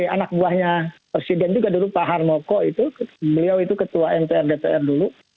anak buahnya presiden juga dulu pak harmoko itu beliau itu ketua mpr dpr dulu